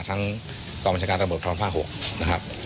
ทั้งกรมจาการตำรวจประวัติภาค๖นะครับ